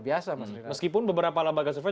biasa mas wadli meskipun beberapa lambangan survey